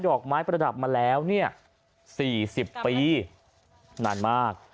อกไม้ประดับมาแล้วเนี่ย๔๐ปีนานมาก